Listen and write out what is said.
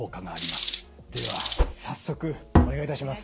では早速お願いいたします。